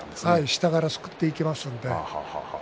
下からすくっていけますので。